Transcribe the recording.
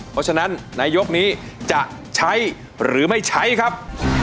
เพราะฉะนั้นในยกนี้จะใช้หรือไม่ใช้ครับ